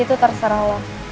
itu terserah lo